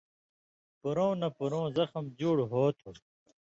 پُرؤں نہ پُرؤں زخم جُوڑ ہوتُھو۔